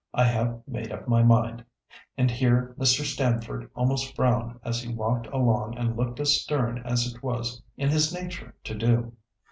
I have made up my mind." And here Mr. Stamford almost frowned as he walked along and looked as stern as it was in his nature to do.